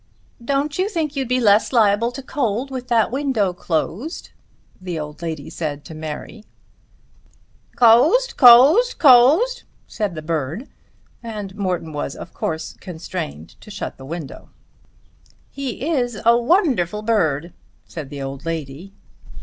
"Don't you think you'd be less liable to cold with that window closed?" the old lady said to Mary. "Cosed, cosed, cosed," said the bird, and Morton was of course constrained to shut the window. "He is a wonderful bird," said the old lady.